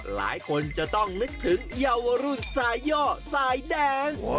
หลายคนจะต้องนึกถึงเยาวรุ่นสายย่อสายแดง